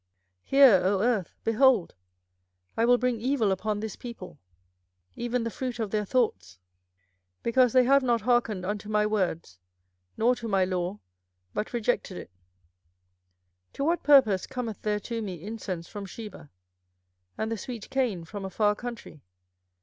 24:006:019 Hear, O earth: behold, I will bring evil upon this people, even the fruit of their thoughts, because they have not hearkened unto my words, nor to my law, but rejected it. 24:006:020 To what purpose cometh there to me incense from Sheba, and the sweet cane from a far country?